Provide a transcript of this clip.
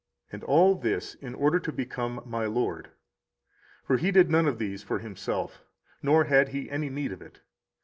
And all this, in order to become my Lord; for He did none of these for Himself, nor had He any need of it.